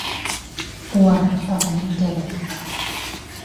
Уларға тағы ни кәрәк?